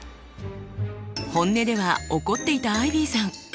本音では怒っていたアイビーさん。